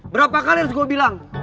berapa kali harus gue bilang